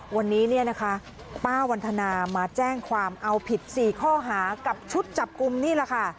วันนี้เนี่ยนะคะป้าวันทนามาแจ้งความเอาผิด๔ข้อหากับชุดจับกลุ่มนี่แหละค่ะ